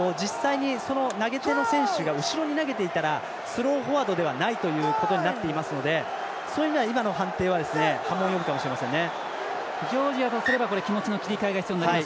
物理的に前にいっていても実際に投げ手の選手後ろに投げていたらスローフォワードではないとされていますのでそういう意味では今の判定は波紋を呼ぶかもしれませんね。